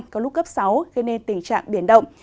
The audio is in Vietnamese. có lúc cấp sáu gây nên tình trạng biển động